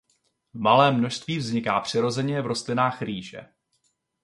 V malém množství vzniká přirozeně v rostlinách rýže.